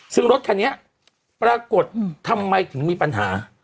ซึ่งรถคันนี้ปรากฏทำไมถึงมีปัญหา